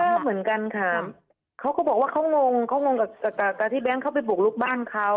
ไม่เจอเหมือนกันค่ะเขาก็บอกว่าเขางงกับสตร์การที่แบงค์เข้าไปบุกลุกบ้านเขา